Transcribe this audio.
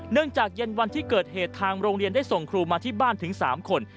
จากเย็นวันที่เกิดเหตุทางโรงเรียนได้ส่งครูมาที่บ้านถึง๓คน